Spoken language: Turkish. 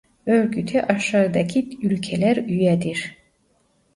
Örgüte aşağıdaki ülkeler üyedir: